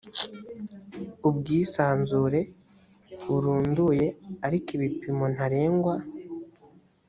ubwisanzure burunduye ariko ibipimo ntarengwa